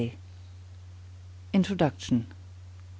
I. INTRODUCTION.